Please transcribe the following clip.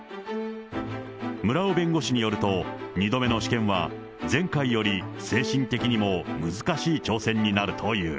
村尾弁護士によると、２度目の試験は前回より精神的にも難しい挑戦になるという。